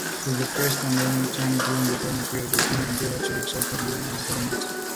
For the first and only time during the colonial period, Virginia enjoyed absolute self-government.